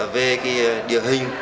về cái địa hình